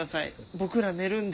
僕ら寝るんで。